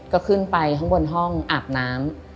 ก็ขึ้นไปข้างบนห้องอาบน้ำ